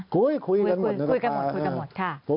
คุยคุยตั้งหมดธรรมดาคุยกันหมดคุยกันหมด